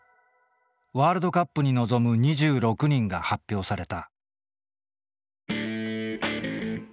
ワールドカップに臨む２６人が発表された。